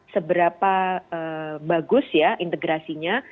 seberapa bagus ya integrasinya